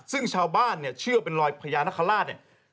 ซึ่งชาวบ้านเชื่อเป็นรอยพญานคราวราช